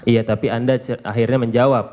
iya tapi anda akhirnya menjawab